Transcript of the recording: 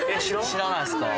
知らないですか？